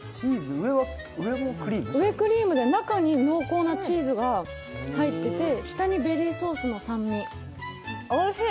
上はクリームで中に濃厚なチーズが入ってて下にベリーソースの酸味、おいしい。